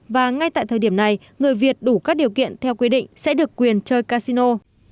và ngay tại thời điểm này người việt đủ các điều kiện theo quy định sẽ được quyền chơi casino